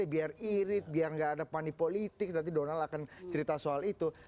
biar irit biar nggak ada pandi politik nanti donald akan cerita soal itu